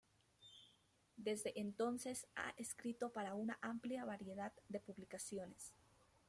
Desde entonces, ha escrito para una amplia variedad de publicaciones.